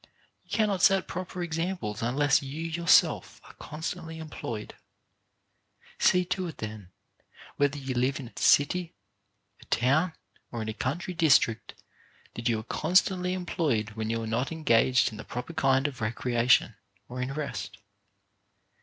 You cannot set proper examples unless you, yourself, are constantly employed. See to it, then, whether you live in a city, a town, or in a country district, that you are constantly em ployed when you are not engaged in the proper kind of recreation, or in rest.